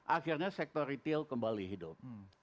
akhirnya sektor retail kembali hidup